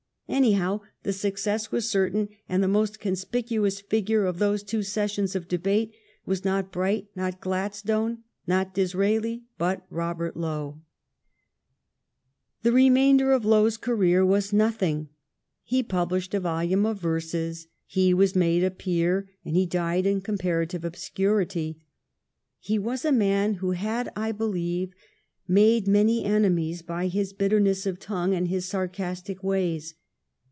Anyhow, the success w^as cer tain, and the most conspicuous figure of those two sessions of debate was not Bright, not Glad stone, not Disraeli, but Robert Lowe. The re mainder of Lowe's career was nothing. He pub lished a volume of verses. He was made a peer, and he died in comparative obscurity. He was a man who had, I believe, made many enemies by his bitterness of tongue and his sarcastic ways.